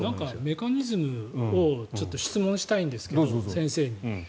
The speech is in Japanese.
メカニズムを質問したいんですけど、先生に。